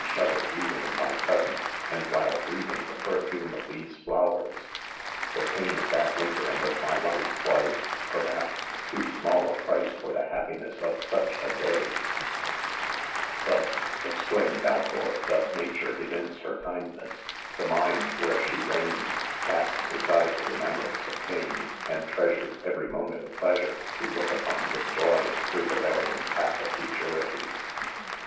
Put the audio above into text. shudder even in thy presence, and while breathing the perfume' of these'; fioWers ^the:;: ; p^|ii^of that winter and of my life, was, perhaps, \oo small aprice for the, : ha^pines.S:of .such;' adayi? " Thns," : exclaimecl ■D.aj&qur *> u doth xiatitte evince her kindnessl! \ ''^feevmind^^'^iiere she seigns, casts aside' the remembrance' of pain> and treasures every .moment of pleasure, 'to look upon with joy, through the varying path of futurity..